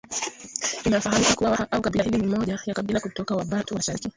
Inafahamika kuwa waha au kabila hili ni moja ya kabila kutoka Wabantu wa mashariki